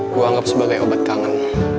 gua anggap sebagai obat kangen